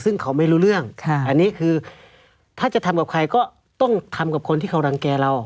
ซึ่งเขาไม่รู้เรื่องอันนี้คือถ้าจะทำกับใครก็ต้องทำกับคนที่เขารังแก่เรา